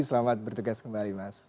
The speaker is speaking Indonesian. selamat bertugas kembali mas